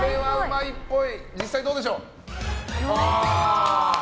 実際にどうでしょう。